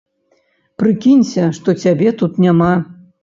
Прыкінься, што цябе тут няма.